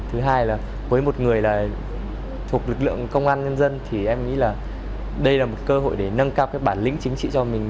thứ hai là với một người là thuộc lực lượng công an nhân dân thì em nghĩ là đây là một cơ hội để nâng cao các bản lĩnh chính trị cho mình